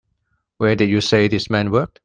Where did you say this man worked?